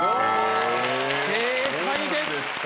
正解です。